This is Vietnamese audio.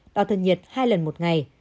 đo thân nhiệt hai lần một ngày